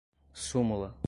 súmula